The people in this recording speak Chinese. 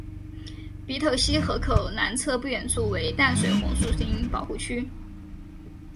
鼻头溪河口南侧不远处为淡水红树林保护区。